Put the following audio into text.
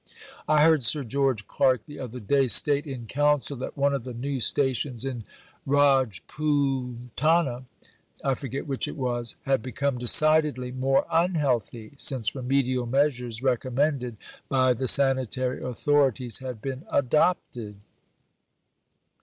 I heard Sir George Clark the other day state in Council that one of the new stations in Rajpootana, I forget which it was, had become decidedly more unhealthy since remedial measures recommended by the sanitary authorities had been adopted.